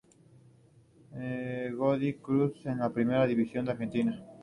Godoy Cruz de la Primera División de Argentina.